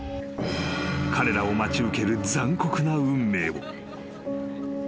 ［彼らを待ち受ける残酷な運命を］